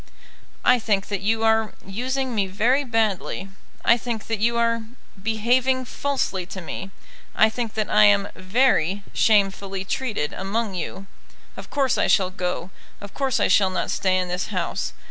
"I think that you are using me very badly. I think that you are behaving falsely to me. I think that I am very shamefully treated among you. Of course I shall go. Of course I shall not stay in this house.